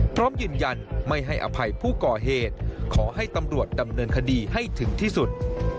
พร้อมยืนยันไม่ให้อภัยผู้ก่อเหตุขอให้ตำรวจดำเนินคดีให้ถึงที่สุด